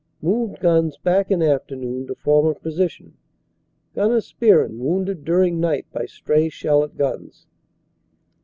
Moved guns back in afternoon to former position. Gnr. Spearn wounded during night by stray shell at guns.